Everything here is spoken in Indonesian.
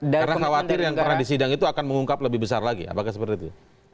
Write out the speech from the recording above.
karena khawatir yang pernah disidang itu akan mengungkap lebih besar lagi apakah seperti itu